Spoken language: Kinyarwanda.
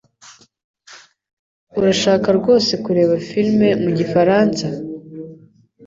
Urashaka rwose kureba film mugifaransa?